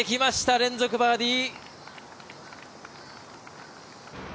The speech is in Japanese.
連続バーディー。